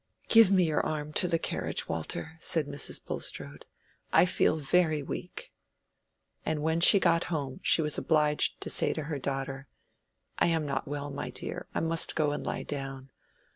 "Give me your arm to the carriage, Walter," said Mrs. Bulstrode. "I feel very weak." And when she got home she was obliged to say to her daughter, "I am not well, my dear; I must go and lie down.